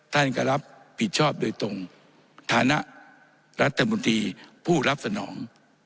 ท่านก็รับผิดชอบโดยตรงฐานะรัฐมนตรีผู้รับสนอง